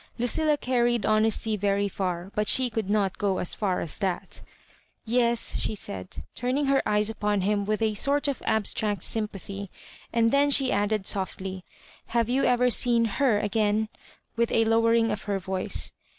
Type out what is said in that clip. Lucilla carried honesty very far, but she could not go as far as that " Yes," she said, turning her eyes upon him with a sort of abstract sympathy, and then she added softly —" Have you ever seen Her again ?" with a lower ing of her voice.